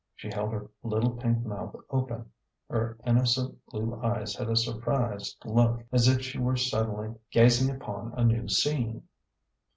She held her little pink mouth open, her innocent blue eyes had a surprised look, as if she were suddenly gazing upon a new scene.